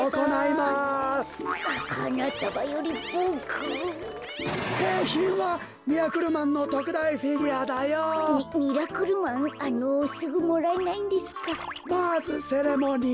まずセレモニー。